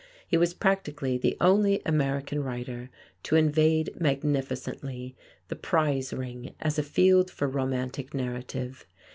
He was practically the only American writer to invade magnificently the prize ring as a field for romantic narrative.